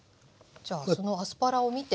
じゃあそのアスパラを見て。